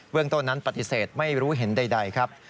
เรื่องต้นนั้นปฏิเสธไม่รู้เห็นใดครับ